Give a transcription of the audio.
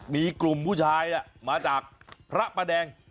มีกลุ่มผู้ชายมาจากพระประแดง